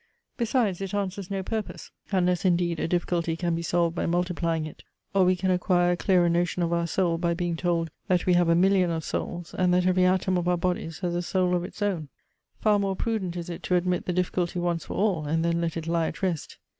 Besides, it answers no purpose; unless, indeed, a difficulty can be solved by multiplying it, or we can acquire a clearer notion of our soul by being told that we have a million of souls, and that every atom of our bodies has a soul of its own. Far more prudent is it to admit the difficulty once for all, and then let it lie at rest.